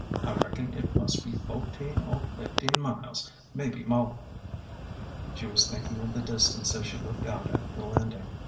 I reckon it must be fo'teen or fifteen miles — maybe mo'." She was thinking of the distance as she looked out at the landing.